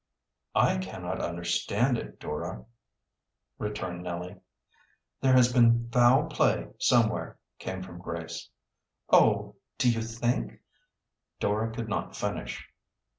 "I cannot understand it, Dora," returned Nellie. "There has been foul play somewhere," came from Grace. "Oh, do you think " Dora could not finish.